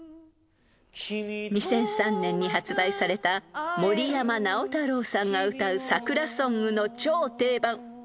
［２００３年に発売された森山直太朗さんが歌う桜ソングの超定番］